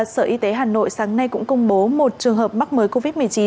sở y tế hà nội sáng nay cũng công bố một trường hợp mắc mới covid một mươi chín